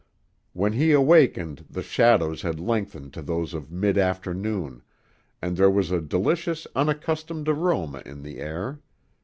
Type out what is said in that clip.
When he awakened the shadows had lengthened to those of mid afternoon, and there was a delicious, unaccustomed aroma in the air.